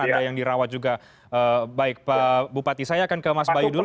ada yang dirawat juga baik pak bupati saya akan ke mas bayu dulu